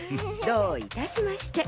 どういたしまして。